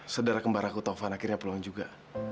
sedara kembaraku taufan akhirnya pulang juga